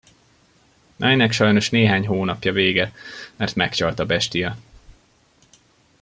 Ennek sajnos néhány hónapja vége, mert megcsalt a bestia.